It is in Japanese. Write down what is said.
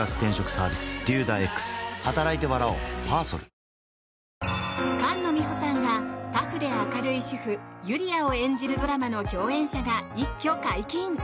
そしてアメリカの刑務所で菅野美穂さんがタフで明るい主婦ゆりあを演じるドラマの共演者が一挙解禁。